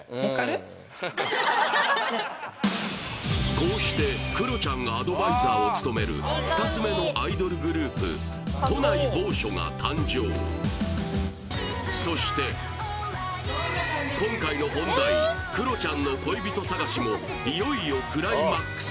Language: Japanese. こうしてクロちゃんがアドバイザーを務める２つ目のアイドルグループ「都内某所」が誕生そして今回の本題クロちゃんの恋人探しもいよいよクライマックス